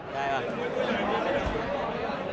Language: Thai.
ได้หรอ